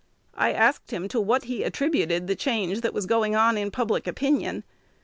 I asked him to what he attributed the change that was going on in public opinion.